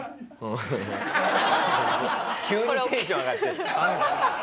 急にテンション上がって。